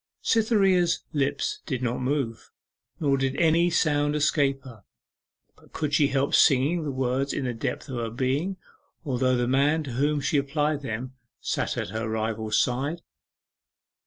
Cytherea's lips did not move, nor did any sound escape her; but could she help singing the words in the depths of her being, although the man to whom she applied them sat at her rival's side?